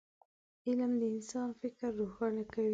علم د انسان فکر روښانه کوي